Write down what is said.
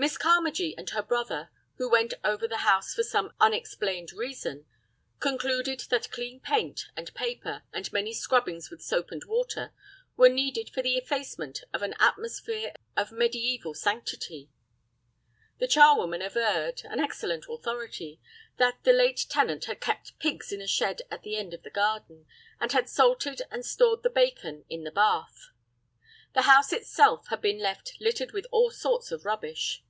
Miss Carmagee and her brother, who went over the house for some unexplained reason, concluded that clean paint and paper, and many scrubbings with soap and water, were needed for the effacement of an atmosphere of mediæval sanctity. The charwoman averred—an excellent authority—that the late tenant had kept pigs in a shed at the end of the garden, and had salted and stored the bacon in the bath. The house itself had been left littered with all sorts of rubbish.